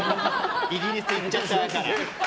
イギリス行っちゃったから。